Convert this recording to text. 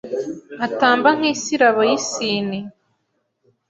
Atamba nk’isirabo y’isine